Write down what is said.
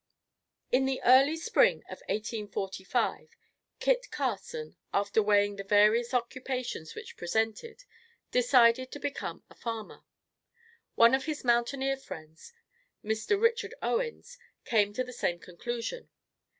In the early spring of 1845, Kit Carson, after weighing the various occupations which presented, decided to become a farmer. One of his mountaineer friends, Mr. Richard Owens, came to the same conclusion.